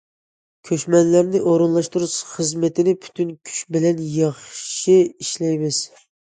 كۆچمەنلەرنى ئورۇنلاشتۇرۇش خىزمىتىنى پۈتۈن كۈچ بىلەن ياخشى ئىشلەيمىز.